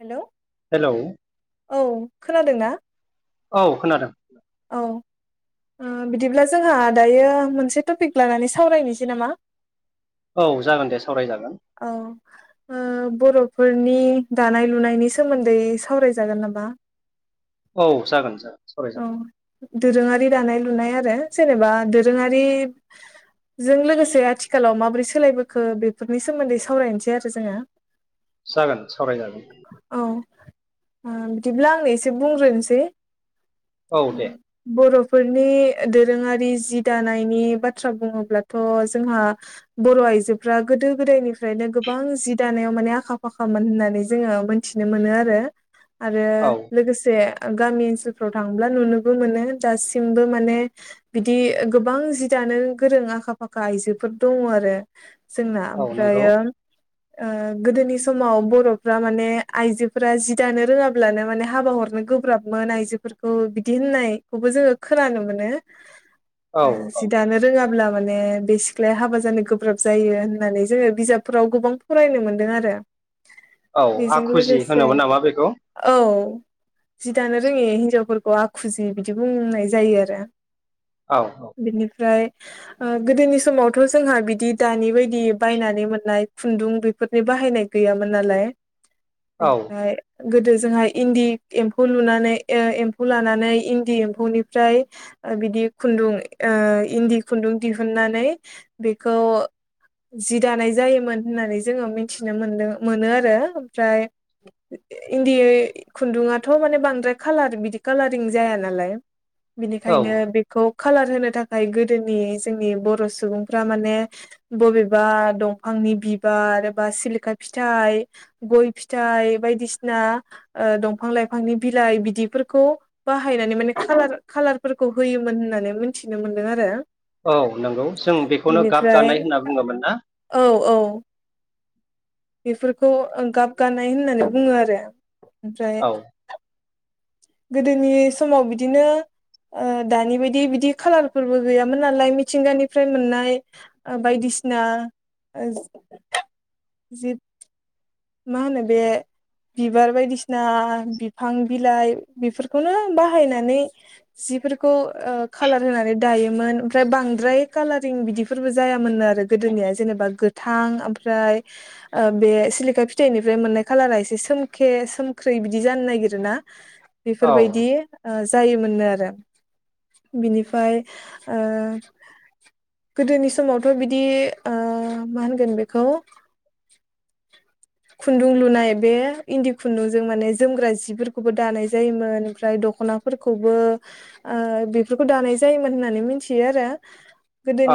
Hello hello औ खोनादोंना? औ खोनादों। औ। बिदिब्ला जोंहा दायो मोनसे टपिक लानानै सावरायनोसै नामा? औ जागोन दे सावरायजागोन। औ। बर'फोरनि दानाय लुनायनि सोमोन्दै सावरायजागोन नामा? औ जागोन जागोन औ सावरायजागोन दोरोङारि दानाय लुनाय आरो। जेनेबा दोरोङारि जों लोगोसे आथिखालाव माबोरै सोलायबोखो बेफोर। नि सोमोन्दै सावरायनोसै आरो जोङो। जागोन सावरायजागोन। औ बिदिब्ला आंनो एसे बुंग्रोनोसै औ दे बर'। फोरनि दोरोङारि जि दानायनि बाथ्रा बुङोब्लाथ जोंहा बर'। आयजोफ्रा गोदो गोदायनिफ्रायनो गोबां जि दानायाव माने आखा फाखामोन होननानै जोङो मोनथिनो मोनो आरो। आरो औ लोगोसे। गामि ओनसोलफ्राव थांब्ला नुनोबो मोनो दासिमबो माने बिदि गोबां जिद'। गोरों आखा फाखा आइजोफोर दङ आरो जोंना औ नंगौ ओमफ्रायो गोदोनि समाव बर'फ्रा माने आइजोफोरा जि दानो रोङाब्लानो माने हाबा हरनो। गोब्राबमोन आइजोफोरखौ बिदि होननायखौबो जोङो खोनानो मोनो। औ औ जि दानो रोङाब्ला माने बे सिख्लाया हाबा जानो गोब्राब। जायो होननानै जोङो बिजाबफोराव गोबां फरायनो मोनदों आरो। औ बेजों आखुजि लोगोसे होनोमोन नामा बेखौ औ। जि दानो रोङि हिनजावफोरखौ आखुजि बिदि बुंनाय जायो आरो। औ बिनिफ्राय गोदोनि समावथ जोंहा बिदि। दानि बायदि बायनानै मोननाय खुन्दुं बेफोरनि बाहायनाय गैयामोन नालाय। औ बेनिफ्राय गोदो जोंहा इन्दि एम्फौ लुनानै एम्फौ लानानै इन्दि एम्फौनिफ्राय बिदि खुन्दुं इन्दि खुन्दुं दिहुननानै बेखौ जि दानाय जायोमोन होननानै जोङो मिथिनो मोनदों मोनो आरो ओमफ्राय इन्दि खुन्दुङाथ माने बांद्राय खालार बिदि खालारिं जाया नालाय औ बिनिखायनो बेखौ कालार होनो थाखाय गोदोनि जोंनि बर' सुबुंफ्रा माने बबेबा दंफांनि बिबार बा सिलिखा फिथाइ गय फिथाइ बायदि बायदिसिना दंफां लाइफांनि बिलाइ बिदिफोरखौ बाहायनानै माने कालार कालार फोरफोरखौ होयोमोन होननानै मिथिनो मोनदों आरो। औ नंगौ जों बेखौनो गाब बिनिफ्राय गानाय होनना बुङोमोन ना औ औ बेफोरखौ गाबगानाय होननानै बुङो आरो। जायो। औ गोदोनि समाव बिदिनो दानि बायदि बिदि खाालारफोरबो गैयामोन नालाय मिथिंगानिफ्राय मोननाय बायदिसिना बायदिसिना जिब मा होनो बे बिबार बायदिसिना बिफां बिलाइ बेफोरखौनो बाहायनानै जिफोरखौ खाालार होनानै दायोमोन ओमफ्राय बां बांद्राय कालारिं बिदिफोरबो जायामोननो गोदोनिया जेनेबा गोथां ओमफ्राय बे सिलिखा फिथाइनिफ्राय मोननाय कालारा एसे सोमखे सोमख्रै बिदि जानो नागिरोना औ बेफोरबायदि जायोमोनो आरो बिनिफ्राय गोदोनि समावथ' बिदि मा होनगोन बेखौ खुन्दुं लुनाय बे इन्दि खुन्दुंजों माने जोमग्रा जिफोरखौबो दानाय जायोमोन ओमफ्राय दख'नाफोरखौबो बेफोरखौ दानाय जायोमोन होननानै मिथियो आरो।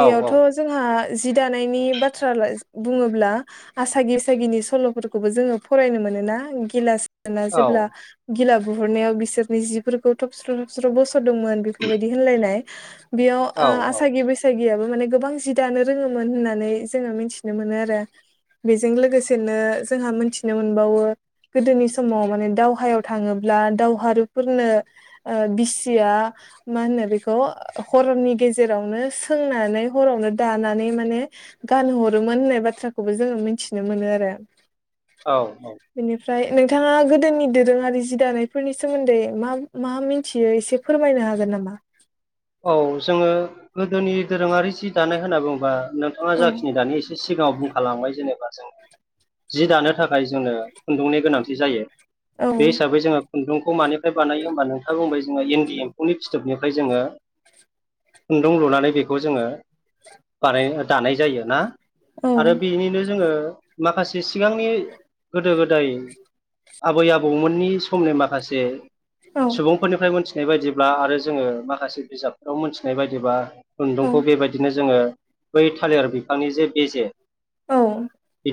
औ जोंहा जि दानायनि बाथ्रा बुङोब्ला आसागि बैसिगिनि सल'फोरखौबो जोङो फरायनो मोनो। गिलासोरोन दानोना जेब्ला गिला बुहरनायाव बिसोरनि जिफोरखौ थबस्र' थबस्र' बस् स दमोन बेफोरबायदि होनलायनाय बेयाव औ आसागि बैसागि याबो माने गोबां जि दानो रोङोमोन होननानै जोङो मिथिनो मोनो आरो। बेजों लोगोसेनो जोंहा मोनथिनो मोनबावो गोदोनि समाव माने दावहायाव थाङोब्ला दावहारुफोरनो बिसिया मा होनो बेखौ हरनि गेजेरावनो सोंनानै हरावनो दानानै माने गानहरोमोन होननाय बाथ्राखौबो जोङो मिथिनो मोनो आरो। औ औ बेनिफ्राय नोंथाङा गोदोनि दोरोङारि जि दानायफोरनि सोमोन्दै मा मा मिथियो एसे फोरमायनो हागोन नामा? औ जोङो गोदोनि दोरोङारि जि दानाय होनना बुङोबा नोंथाङा औ जाखिनि दानि एसे सिगाङाव बुंखालांबाय जेनेबा जों जि दानो थाखाय जोंनो खुन्दुंनि गोनांथि जायो। औ बे हिसाबै जोङो खुन्दुंखौ मानिफ्राय बानायो होमबा नोंथां बुंबाय जोङो इन्दि एम्फौनि फिथोबनिफ्राय जोङो खुन्दुं लुनानै बेखौ जोङो बानाय दानाय जायो ना। औ आरो बेनिनो जोङो माखासे सिगांनि गोदो गोदाय आबै आबौमोननि समनो माखासे औ सुबुंफोरनिफ्राय मोनथिनाय बायदिब्ला आरो जोङो माखासे बिजाबफोराव मोनथिनाय बायदिब्ला खुन्दुंखौ बेबायदिनो जोङो बै थालिर बिफांनि जे बेजे औ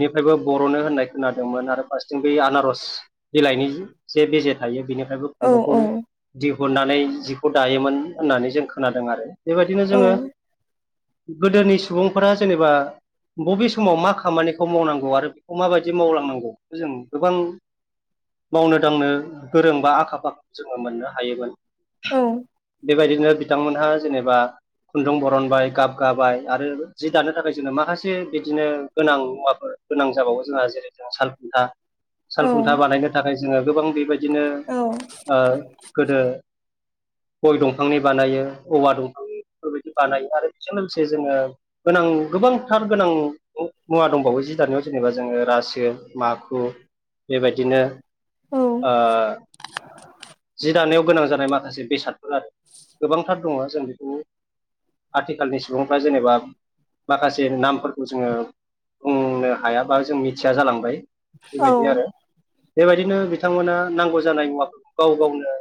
निफ्रायबो बर'नो होननाय खोनादोंमोन आरो फार्सेथिं बै आनारस बिलाइनि जे बेजे थायो। बेनि ओमफ्राय बे औ खुन्दुंखौ दिहुननानै जिखौ दायोमोन होननानै जों खोनादों आरो। बेबायदिनो औ जोङो गोदोनि सुबुंफोरा जेनेबा बबे समाव मा खामानिखौ मावनांगौ आरो बेखौ माबायदि मावलांनांगौ बेखौ जों गोबां मावनो दांनो गोरोंबा आखा फाखा जोङो मोननो हायोमोन। औ बेबायदिनो बिथांमोनहा जेनेबा खुन्दुं बरनबाय गाब गाबाय आरो जि दानो थाखाय जोङो माखासे बिदिनो गोनां मुवाफोर गोनां जाबावो जोंहा जेरै जों सालखुन्था औ सालखुन्था बानायनो थाखाय जोङो गोबां बेबाय दिनो औ ओ गोदो गय दंफांनि बानायो औवा दंफां बेफोरबादि बानायो आरो बेजों लोगोसे जोङो गोनां गोबांथार गोनां मु-मुवा दंबावो जि दा दानायाव जेनेबा जोङो रासो माखु बेबायदिनो औ ओ जि दानायाव गोनां जानाय माखासे बेसाद [unintelligible] गोबांथार दङ जों बेखौ आथिखालनि सुबुंफ्रा जेनेबा माखासे नामफोरखौ जोङो बुंनो हायाबा जों मिथिया जालांबाय। औ बेबायदि आरो बेबायदिनो बिथांमोना नांगौ जानाय मुवाफोरखौ गाव गावनो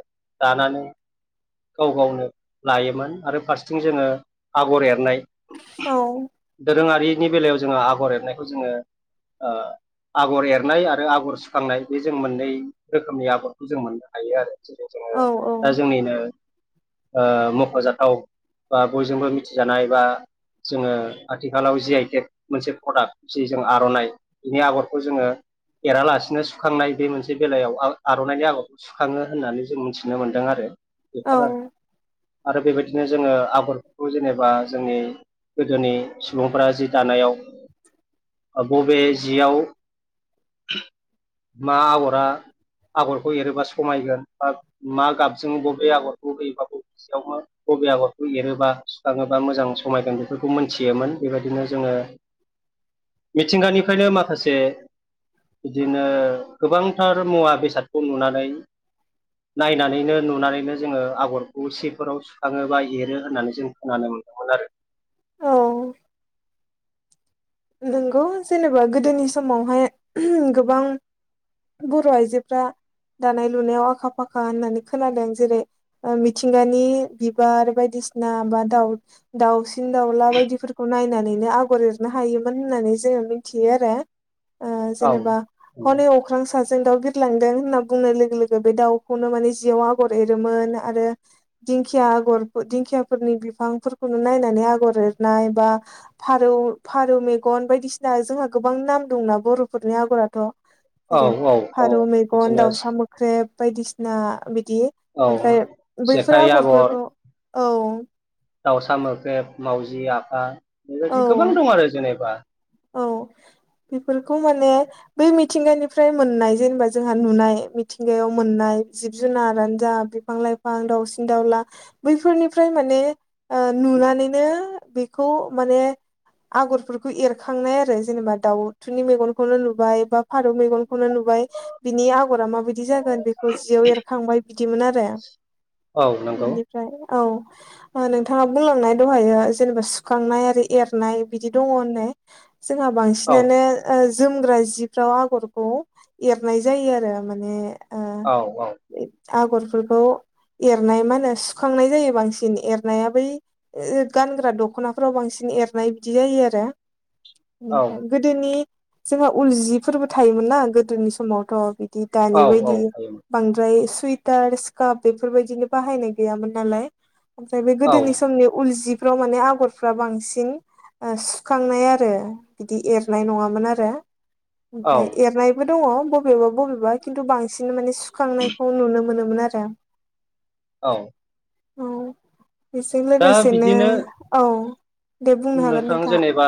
दानानै गाव गावनो लायोमोन आरो फारस्थिं जोङो आगर एरनाय औ [inaudible] दोरोङारिनि बेलायाव जोङो आगर एरनायखौ जोङो ओ आगर एरनाय आरो आगर सुखांनाय बे जों मोननै रोखोमनि आगरखौ जों मोननो हायो आरो। जेरै जोङो औ दा औ जोंनिनो ओ मख'जाथाव बा बयजोंबो मिथिजानाय बा जोङो आथिखालाव जि आइ टेक मोनसे प्रडाक्ट जि जों आर'नाइ बिनि आगरखौ जोङो एरालासिनो सुखांनाय बे मोनसे बेलायाव आव-आर'नाइनि आगरखौ सुखाङो होननानै जों मिनथिनो मोन्दों आरो। बेफोर आरो आरो बेबादिनो जोङो आगरफोरखौ जेनेबा जोंनि गोदोनि सुबुंफ्रा जि दानायाव ओ बबे जियाव [inaudible] मा आगरा आगरखौ एरोबा समायगोन बा मा गाबजों बबे आगरखौ होयोबा बबे सियावनो मा बबे आगरखौ एरोबा सुखाङोबा मोजां समायगोन बेफोरखौ मोनथि योमोन। बेबादिनो जोङो मिथिंगानिफ्रायनो माखासे बिदिनो गोबांथार मुवा बेसादखौ नुनानै नायनानैनो नुनानै नो जोङो आगरखौ सिफोराव सुखाङो बा एरो होननानै जों खोनानो मोनदोंमोन आरो। औ नोंगौ जेनेबा गोदोनि समावहाय [inaudible] गोबां बर' आइजोफ्रा दानाय लुनायाव आखा फाखा होननानै खोनादों जेरै ओ मिथिंगानि बिबार बायदि सिना बा दाव-दाउसिन दाउला बायदिफोरखौ नायनानैनो आगर एरनो हायोमो न होननानै जोङो मिनथियो आरो। ओ आरो जेनेबा औ हनै अख्रां साजों जों दाउ बिरलांदों होनना बुंनाय लोगो लोगो बे दाउखौनो माने जियाव आगर एरोमोन आरो। दिंखिया आगरफो दिंखियाफोरनि बिफांफोरखौनो नायनानै आगर एरनाय बा फारौ फारौ मेगन बायदिसिना जोंहा गोबां नाम दंना बर'फोरनि आगराथ' औ जेरै औ औ फारौ मेगन बिदिनो दाउसा मोख्रेब बायदिसिना बिदि औ ओमफ्राय बैफोर जेखाइ आगर आगरफोरखौ औ दाउसा मोख्रेब मावजि आफा औ बेबादि गोबां दं आरो जेनेबा औ बेफोरखौ माने बै मिथिंगानिफ्राय मोननाय जेनेबा जोंहा नुनाय मिथिंगायाव मोननाय जिब जुनारानो जा बिफां लाइफां, दाउसिन दाउला बैफोरनिफ्राय माने ओ नुनानैनो बेखौ माने आगरफोरखौ एर खांनाय आरो जेनेबा दाउथुनि मेगनखौनो नुबाय बा फारौ मेगन खौनो नुबाय बिनि आगरा माबायदि जागोन बेखौ जियाव एरखांबाय बिदिमोन आरो औ नंगौ। बिनिफ्राय औ ओ नोंथाङा बुंलांनाय दहायो जेनेबा सुखांनाय आरो एरनाय बिदि दङ होननाय जोंहा औ बांसिनानो ओ जोमग्रा जिफ्राव आगरखौ एरनाय जायो आरो माने ओ औ औ। आगरफोरखौ एरनाय मानो सुखांनाय जायो बांसिन एरनाया बै ओ गानग्रा दख'नाफ्राव बांसिन एरनाय बिदि जायो आरो। औ ओमफाय गोदोनि जोंहा उल जिफोरबो थायोमोन ना गोदोनि समावथ' बि दि औ दानि औ बायदि हायोमोन बांद्राय सुइटार स्काप बेफोरबायदिनि बाहायनाय गैयामोन नालाय ओमफ्राय बे औ गोदोनि समनि उल जि फ्राव माने आगरफ्रा बांसिन ओ स खांनाय आरो बिदि एरनाय नंङामोन आरो औ ओमफ्राय एरनायबो दंङ। बबेबा बबेबा खिन्थु बांसिन माने सुखांनायखौ नुनो मोनोमोन आरो। औ औ बेजों दा लोगोसेनो बिदिनो औ। दे बुंनो हागोन नोंथां नोंथाङा जेनेबा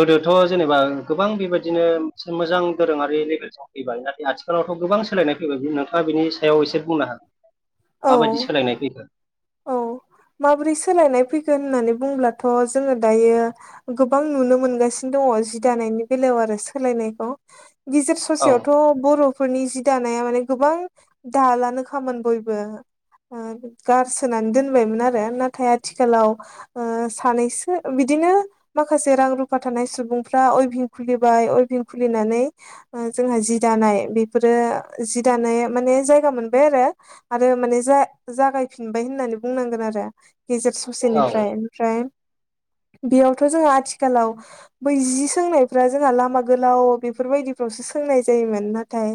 गोदोथ' जेनेबा गोबां बेबायदिनो मोनसे मोजां दोरोंङारि लेभेलसिम फैबाय नाथाय आथिखालावथ' गोबां सोलायनाय फैबाय नोंथाङा बिनि सायाव एसे बुंनो हा औ माबायदि सोलायनाय फैखो? फैखो होननानै बुंङोब्लाथ' जोङो दायो गोबां नुनो मोनगासिनो दंङो जि दानायनि बेला याव आरो सोलायनायखौ। गेजेर औ ससेयावथ' बर'फोरनि जि दानाया माने गोबां दालानो खामोन बय बो ओ गारसोनानै दोनबायमोन आरो नाथाय आथिखालाव ओ सानैसो बिदिनो ओ माखासे रां रुफा थानाय सुबुंफ्रा अयभिं खुलिबाय अयभिं खुलि ओ जों जोंहा जि दानाय बेफोरो जि दानाय माने जायगा मोनबाय आरो। आरो माने जा जागायफिनबाय होननानै बुंनांगोन आरो गेजेर औ ससेनिफ्राय। ओमफ्राय [inaudible] बेयावथ' जोंहा आथिखालाव बै जि सोंनायफ्रा जोंहा लामा गोलाव बेफोरबायदिफ्रावसो सोंनाय जायोमोन नाथाय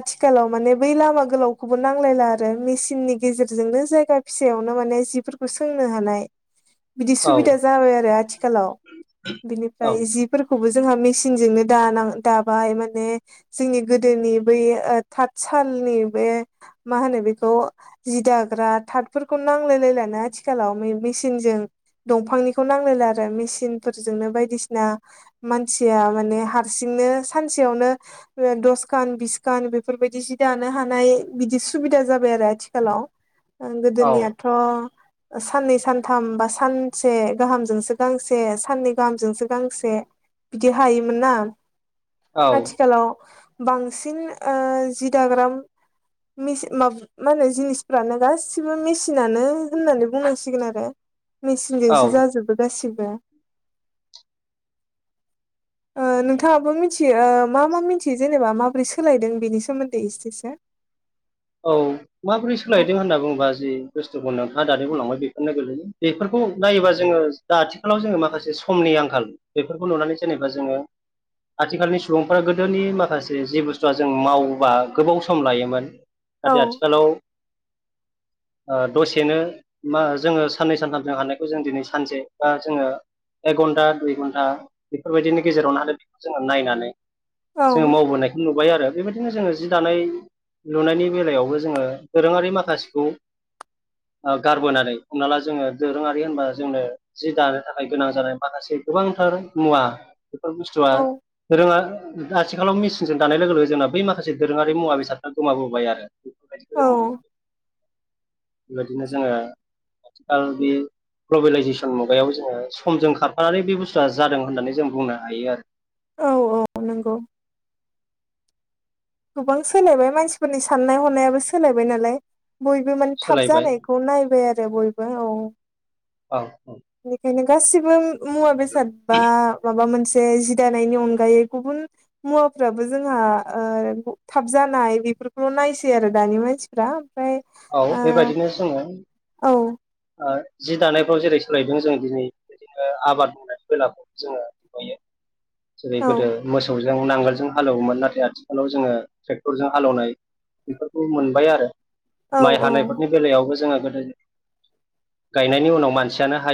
आथिखालाव माने बै लामा गोलावखौबो नांलायला आ रो मेचननि गेजेरजोंनो जायगा फिसायावनो माने जिफोरखौ सोंनो हानाय बिदि औ सुबिदा जाबाय आरो आथिखालाव औ बिनिफ्राय जिफोरखौबो जोंहा मेसिनजोंनो दाना दाबाय माने जोंनि गोदोनि बै थाद साल नि बे मा होनो बे खौ जि दाग्रा थाथफोरखौ नांलाय लायलानो आथिखालाव मै मिसिनजों दंफांनिखौ नांलायला आरो मिसिन फोरजोंनो बायदिसिना मानसिया माने हारसिं नो सानसेयावनो ओ दसखान बिसखान दानो हानाय सुबिदा जा बाय आरो आथिखालाव ओ औ गोदोनियाथ' ओ साननै सानथाम बा सानसे गाहामजोंसो गांसे साननै गाहामजोंसो गांसे बिदि हायोमोन ना औ आथिखालाव बांसिन ओ जिदाग्राम मिसि मा मा होनो जिनिसफ्रानो गासिबो मिसिनानो होननानै बुंनांसिगोन आरो। औ मिसिनजोंसो जाजोबो गासिबो। [inaudible] ओ नोंथांङाबो मिथियो ओ मा मा मिथियो जेनेबा माबोरै सोलायदों बेनि सोमोन्दै एसेसो। [inaudible] औ माबोरै सोलायदों होनना बुंङोबा जि बुस्थुखौ नोंथांङा दानि बुंलांबाय बेफोरनो गोलैयो। बेफोरखौ नायोबा जोंङो दा आथिखालाव जोंङो माखासे समनि आंखाल बेफोरखौ नुनानै जेनेबा जोंङो आथिखालनि सुबुंफोरा गोदोनि माखासे जि बुस्थुआ जों मावोबा गोबाव सम लायोमोन औ औ नाथाय आथिखालाव दसेनो मा जोंङो साननै सानथामजों हानायखौ जों दिनै सानसे बा जोंङो एक घन्टा दुइ घन्टा बेफोरबायदिनि गेजेरावनोह बेखौ जोंङो नायनानै जोंङो मावबोनायखौ नुबाय आरो बेबायदिनो जोंङो जि दानाय लुनायनि बेलायावबो जोंङो दोरोङारि माखासेखौ गारबोनानै हमना ला जोंङो दोरोंङारि होनबा जोंनो जि दानो थाखाय गोनां जानाय माखासे गोबांथार मुवा बेफोर बुस्थुआ औ रोङा आथिखालाव मि [unintelligible] दानाय लोगो लोगो जोंना बै माखासे दोरोङारि मुवा बेसादफ्रा गोमाबोबाय आरो औ बेबायदिनो जोङो आथिखाल बे ग्लबेलाइजेसन मुगायाव जोङो समजों खारफानानै बे बुस्थुआ जादों होननानै जों बुंनो हायो आरो औ औ नंगौ। गोबां सोलायबाय मानसिफोरनि साननाय हनायाबो सोलायबाय नालाय बयबो माने थाब सोलायबाय जानायखौ नायबाय आरो बयबो औ औ बेनिखायनो गासिबो मुवा बेसाद बा माबा मोन से जि दानायनि अनगायै गुबुन मुवाफ्राबो जोंहा ओ थाब जानाय बेफोरखौल' नायसै आरो दानि मानसिफ्रा। ओमफ्राय औ बेबायदिनो जोङो ओ ओ जि दानायफ्राव जेरै सोलायदों जों दिनै बिदिनो आबाद मावनाय [unintelligible] जोङो नुयो। जेरै औ गोदो मोसौजों नांगोलजों हाल एवोमोन नाथाय आथिखालाव जोङो ट्रेक्टरजों हाले एवनाय बेफोरखौ मोनबाय आरो औ माइ औ औ हानायफोरनि बेलायावबो जोङो गोदो गायनायनि उनाव मानसियानो हायो।